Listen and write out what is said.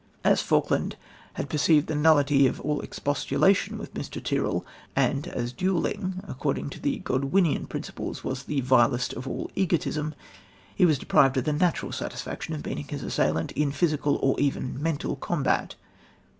As Falkland "had perceived the nullity of all expostulation with Mr. Tyrrel," and as duelling according to the Godwinian principles was "the vilest of all egotism," he was deprived of the natural satisfaction of meeting his assailant in physical or even mental combat.